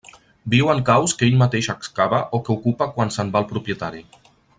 Viu en caus que ell mateix excava, o que ocupa quan se'n va el propietari.